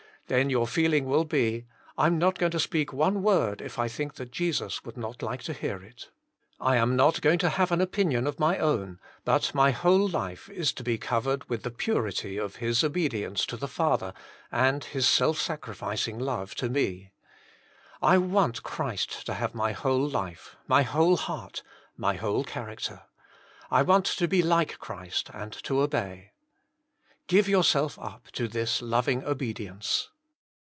Then your feeling will be, I am not going to speak one word if I think that Jesus would not like to hear it." I am not going to have an opinion of my own, but my whole life is to be covered with the purity of His obedience to the Father and His self sacrificing loVe to me. I want Christ to have my whole life, my whole heart, my whole charac ter. I want to be like Christ and to obey. " Grive yourself up to this loving obedience.